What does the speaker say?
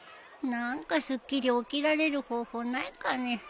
何かすっきり起きられる方法ないかね。